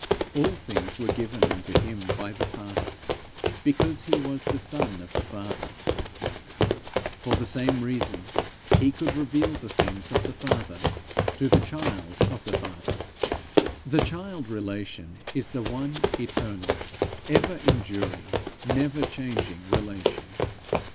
All things were given unto him by the Father, because he was the Son of the Father: for the same reason he could reveal the things of the Father to the child of the Father. The child relation is the one eternal, ever enduring, never changing relation.